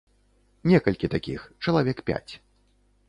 Некалькі такіх, чалавек пяць.